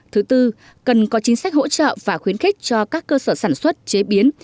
thứ tư cần có chính sách hỗ trợ và khuyến khích cho các cơ sở sản xuất chế biến